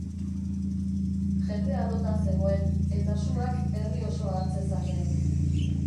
Jendea lotan zegoen eta suak herri osoa har zezakeen.